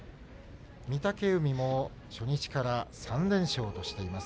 御嶽海も初日から３連勝としています。